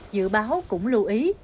dự báo cũng lưu ý